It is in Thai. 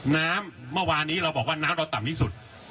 เมื่อวานี้เราบอกว่าน้ำเราต่ำที่สุด